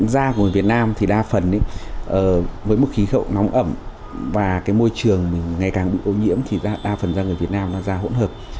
da của người việt nam thì đa phần với một khí hậu nóng ẩm và cái môi trường ngày càng bị ô nhiễm thì đa phần do người việt nam là ra hỗn hợp